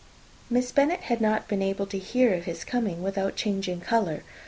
Miss Bennet had not been able to hear of his coming without changing colour.